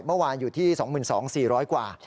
เมื่อวานอยู่ที่๒๒๐๐๔๐๐กว่า